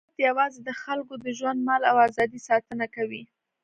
حکومت یوازې د خلکو د ژوند، مال او ازادۍ ساتنه کوي.